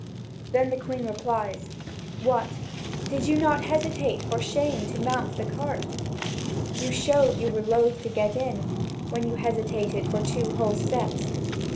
Then the Queen replies: "What? Did you not hesitate for shame to mount the cart? You showed you were loath to get in, when you hesitated for two whole steps.